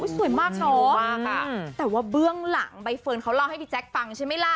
สวยมากเนอะแต่ว่าเบื้องหลังใบเฟิร์นเขาเล่าให้พี่แจ๊คฟังใช่ไหมล่ะ